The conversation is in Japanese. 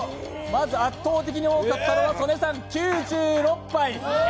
まず圧倒的に多かったのは曽根さん９６杯。